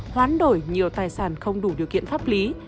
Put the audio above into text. hoán đổi nhiều tài sản không đủ điều kiện pháp lý